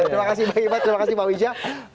terima kasih pak iqbal terima kasih pak wijalan